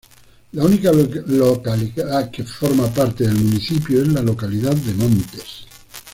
La única localidad que forma parte del municipio es la localidad de Montes.